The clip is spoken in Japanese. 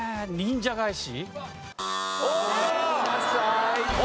武者返し。